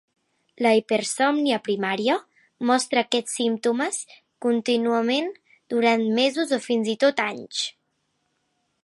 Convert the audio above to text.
La hipersòmnia primària mostra aquests símptomes contínuament durant mesos o fins i tot anys.